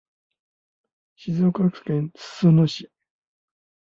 静岡県裾野市